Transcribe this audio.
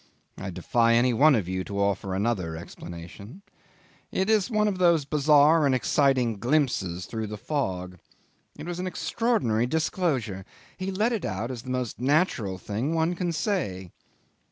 I defy any one of you to offer another explanation. It was one of those bizarre and exciting glimpses through the fog. It was an extraordinary disclosure. He let it out as the most natural thing one could say.